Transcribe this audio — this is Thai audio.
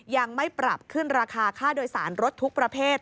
ยังไม่ปรับขึ้นราคาค่าโดยสารรถทุกประเภท